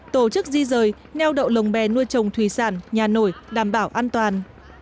tổ chức di rời nheo đậu lồng bè nuôi trồng thủy sản nhà nổi đảm bảo an toàn